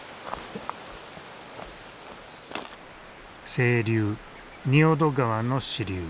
清流仁淀川の支流。